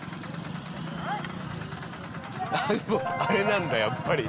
あれなんだやっぱり。